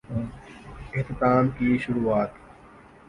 اختتام کی شروعات؟